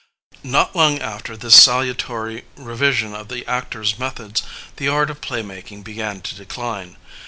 Not long after this salutary revision of the actor's methods, the art of playmaking began to decline.